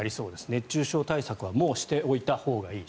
熱中症対策はもうしておいたほうがいい。